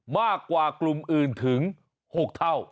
มากกว่ากลุ่มอื่นถึง๖เท่า